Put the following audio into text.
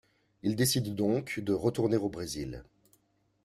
Il décide donc de retourner au Brésil.